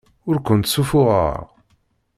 Ur kent-ssuffuɣeɣ.